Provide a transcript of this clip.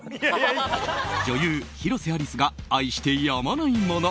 女優・広瀬アリスが愛してやまないもの。